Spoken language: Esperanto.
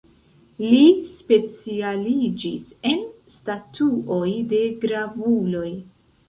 Li specialiĝis en statuoj de gravuloj.